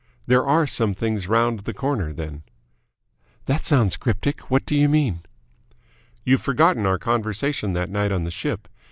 "There are some things round the corner, then?" "That sounds cryptic. What do you mean." "You've forgotten our conversation that night on the ship.